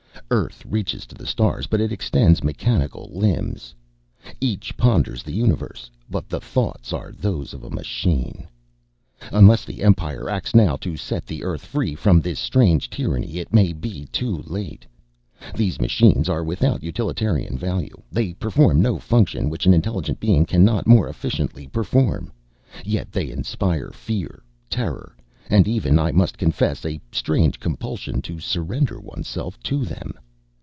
Earth reaches to the stars, but it extends mechanical limbs. Earth ponders the universe, but the thoughts are those of a machine. Unless the Empire acts now to set the Earth free from this strange tyranny, it may be too late. These machines are without utilitarian value. They perform no function which an intelligent being cannot more efficiently perform. Yet they inspire fear, terror, even, I must confess, a strange compulsion to surrender oneself to them.